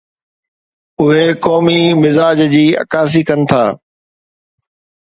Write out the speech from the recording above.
اهي قومي مزاج جي عڪاسي ڪن ٿا.